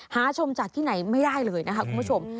หาชมจากที่ไหนไม่ได้เลยนะคะคุณผู้ชม